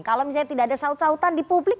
kalau misalnya tidak ada saut sautan di publik